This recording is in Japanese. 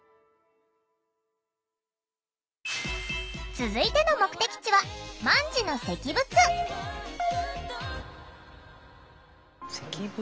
続いての目的地は万治の石仏。